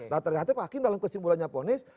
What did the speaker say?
nah ternyata hakim dalam kesimpulannya ponis